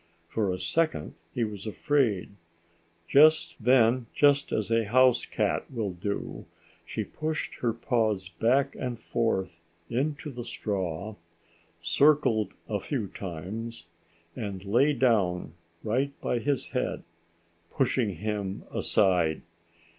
For a second he was afraid. Then, just as a house cat will do, she pushed her paws back and forth into the straw, circled a few times, and lay down right by his head, pushing him aside.